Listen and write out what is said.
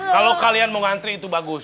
kalau kalian mau ngantri itu bagus